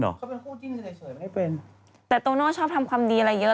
แต่โต๊ะโน่ชอบทำความดีอะไรเยอะ